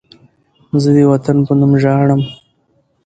زه د وطن په نوم ژاړم